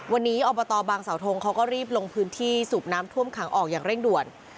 วันนี้อบตบางสาวทงเขาก็รีบลงพื้นที่สูบน้ำท่วมขังออกอย่างเร่งด่วน